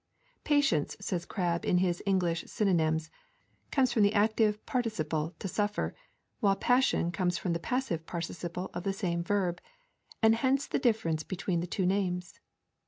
'Patience,' says Crabb in his English Synonyms, 'comes from the active participle to suffer; while passion comes from the passive participle of the same verb; and hence the difference between the two names.